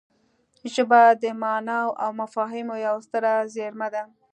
ژبه د ماناوو او مفاهیمو یوه ستره زېرمه ده